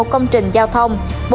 một công trình giao thông